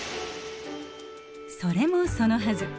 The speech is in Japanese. それもそのはず。